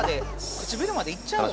唇までいっちゃうよ